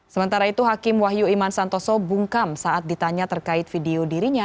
sementara itu hakim wahyu iman santoso bungkam saat ditanya terkait video dirinya